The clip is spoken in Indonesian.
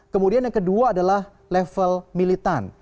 kemudian yang kedua adalah level militan